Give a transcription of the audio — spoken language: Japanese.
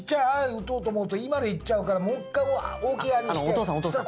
打とうと思うと「い」まで行っちゃうからもう一回大きい「あ」にしたら。